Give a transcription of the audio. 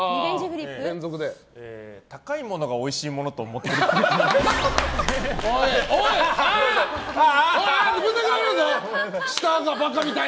高いものがおいしいものと思ってるっぽい。